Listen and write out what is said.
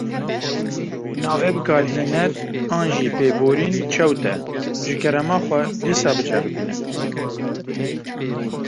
Navê bikarhêner an jî pêborîn çewt e, ji kerema xwe dîsa biceribîne.